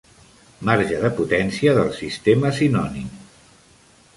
Marge de potència del sistema "sinònim".